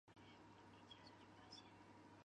属六方晶系。